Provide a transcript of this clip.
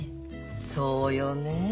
そうよねえ。